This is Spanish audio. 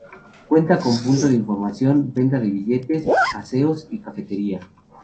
Cuenta con punto de información, venta de billetes, aseos y cafetería.